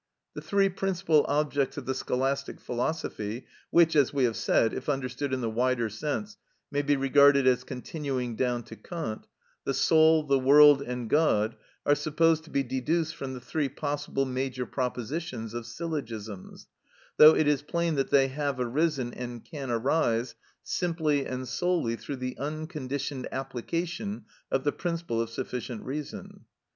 The three principal objects of the Scholastic philosophy (which, as we have said, if understood in the wider sense, may be regarded as continuing down to Kant), the soul, the world, and God, are supposed to be deduced from the three possible major propositions of syllogisms, though it is plain that they have arisen, and can arise, simply and solely through the unconditioned application of the principle of sufficient reason.